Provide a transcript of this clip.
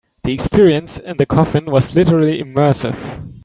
The experience in the coffin was literally immersive.